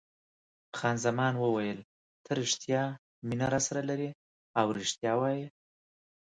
خان زمان وویل: ته رښتیا مینه راسره لرې او رښتیا وایه.